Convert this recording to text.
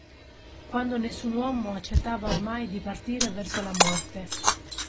Quando nessun uomo accettava ormai di partire verso la morte.